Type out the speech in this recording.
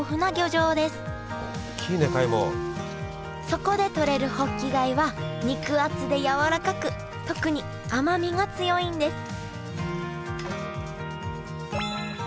そこでとれるホッキ貝は肉厚でやわらかく特に甘みが強いんです